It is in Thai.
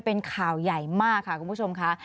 เป็นข่าวใหญ่มากค่ะคุณผู้ชมค่ะ